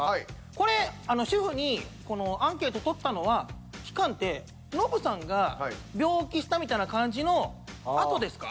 これ主婦にアンケート取ったのは期間ってノブさんが病気したみたいな感じのあとですか？